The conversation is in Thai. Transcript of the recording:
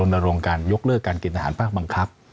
ลงการยกเลิกการกินอาหารภาคบังคับ